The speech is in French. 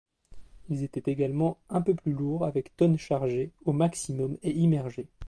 Ils étaient également un peu plus lourds avec tonnes chargés au maximum et immergés.